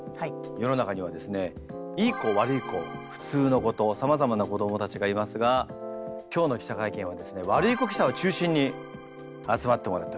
世の中にはですねいい子悪い子普通の子とさまざまな子どもたちがいますが今日の記者会見はですねワルイコ記者を中心に集まってもらっております。